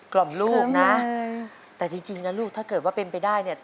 ล่อมลูกนะแต่จริงนะลูกถ้าเกิดว่าเป็นไปได้เนี่ย